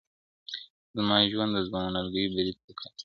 o زما ژوند ته د ځانمرگي بـريـد پـه كــــــــــار دى.